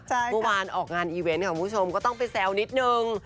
เมื่อวานออกงานอีเวนต์ค่ะคุณผู้ชมก็ต้องไปแซวนิดนึง